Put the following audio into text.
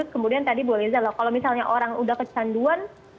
kemudian tadi bu eliza kalau misalnya orang sudah kecanduan